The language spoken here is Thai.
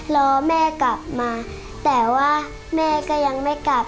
รอแม่กลับมาแต่ว่าแม่ก็ยังไม่กลับ